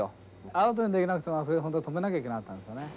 アウトにできなくてもあそこで本当は止めなきゃいけなかったんですよね。